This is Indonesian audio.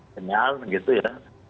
jenial begitu ya